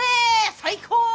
最高！